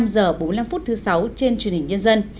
và một mươi năm h bốn mươi năm phút thứ sáu trên truyền hình nhân dân